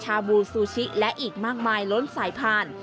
ชาบูซูชิและอีกมากมายล้นสายผ่าน